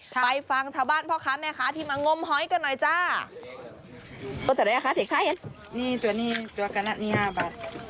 ไปฟังชาวบ้านพ่อค้าแม่ค้าที่มางมหอยกันหน่อยจ้า